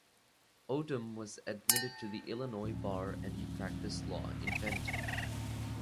Odum was admitted to the Illinois bar and he practiced law in Benton.